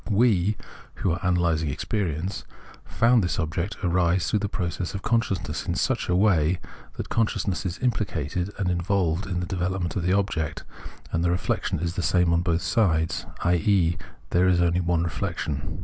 We 126 Phenomenology of Mind (who are analysing experience) found this object arise through the process of consciousness in such a way that consciousness is imphcated and involved in the development of the object, and the reflection is the same on both sides, i.e. there is only one reflection.